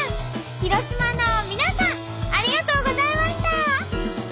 広島の皆さんありがとうございました！